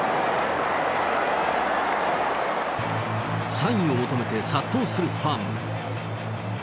サインを求めて殺到するファン。